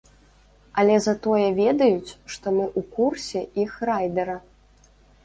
Але затое ведаюць, што мы ў курсе іх райдара.